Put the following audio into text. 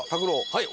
はい。